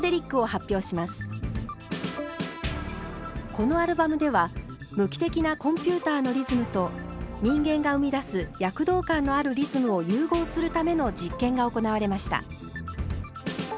このアルバムでは無機的なコンピューターのリズムと人間が生み出す躍動感のあるリズムを融合するための実験が行われました。